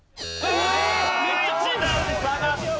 １段下がって。